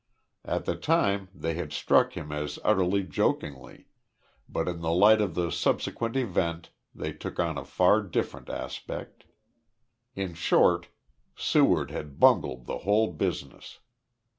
At the time they had struck him as uttered jokingly, but in the light of the subsequent event they took on a far different aspect. In short, Seward had bungled the whole business.